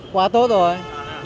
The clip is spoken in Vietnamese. quá tốt rồi